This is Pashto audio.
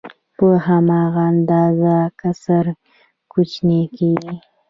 په هماغه اندازه کسر کوچنی کېږي